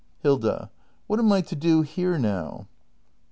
Hilda. What am I to do here now